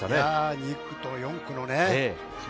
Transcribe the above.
２区と４区のつば